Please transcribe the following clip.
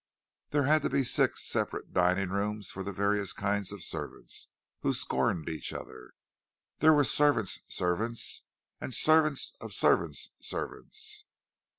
There had to be six separate dining rooms for the various kinds of servants who scorned each other; there were servants' servants and servants of servants' servants.